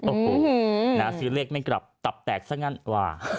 โอ้โหซื้อเลขไม่กลับตับแตกซะงั้นกว่า